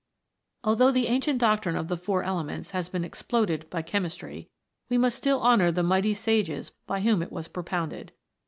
Although the ancient doctrine of the Four Ele ments has been exploded by chemistry, we must still honour the mighty sages by whom it was pro pounded.